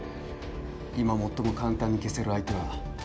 今最も簡単に消せる相手は。